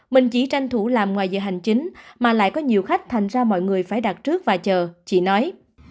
mình chỉ tranh thủ làm ngoài giờ hành chính mà lại có nhiều khách thành ra mọi người phải đặt trước và chờ chỉ nói